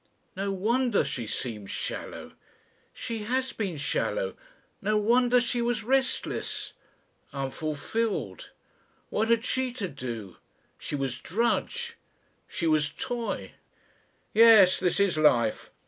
No wonder she seemed shallow ... She has been shallow. No wonder she was restless. Unfulfilled ... What had she to do? She was drudge, she was toy ... "Yes. This is life.